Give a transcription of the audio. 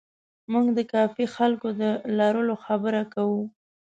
موږ د کافي خلکو د لرلو خبره کوو.